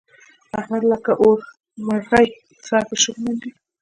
احمد لکه اوښمرغی سر په شګو منډي.